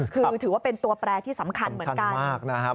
คือถือว่าเป็นตัวแปรที่สำคัญเหมือนกันนะครับ